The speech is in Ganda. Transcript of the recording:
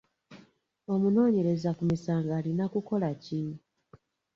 Omunoonyereza ku misango alina kukola ki?